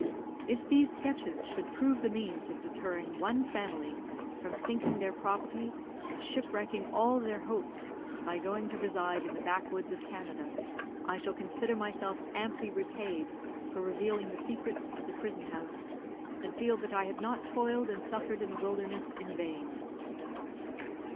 If these sketches should prove the means of deterring one family from sinking their property, and shipwrecking all their hopes, by going to reside in the backwoods of Canada, I shall consider myself amply repaid for revealing the secrets of the prison house, and feel that I have not toiled and suffered in the wilderness in vain.